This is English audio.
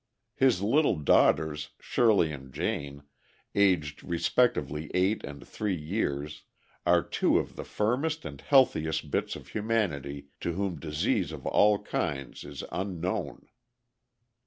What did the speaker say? His little daughters, Shirley and Jane, aged respectively eight and three years, are two of the firmest and healthiest bits of humanity to whom disease of all kinds is unknown.